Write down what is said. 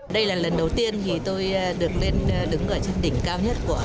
đây là lần đầu tiên tôi được lên đứng ở trên đỉnh cao nhất của mẫu sơn